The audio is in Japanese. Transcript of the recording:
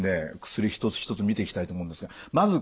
薬一つ一つ見ていきたいと思うんですがまず